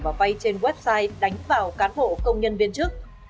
và vay trên website đánh vào cán bộ công nhân viên chức